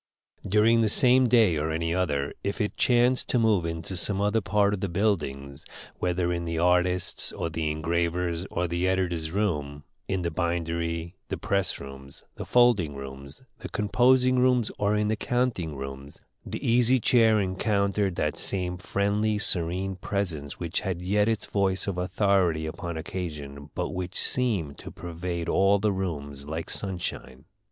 During the same day or any other, if it chanced to move into some other part of the buildings, whether in the artists', the engravers', or the editor's room; in the bindery, the press rooms, the folding rooms, the composing rooms, or in the counting room, the Easy Chair encountered that same friendly, serene presence which had yet its voice of authority upon occasion, but which seemed to pervade all the rooms like sunshine.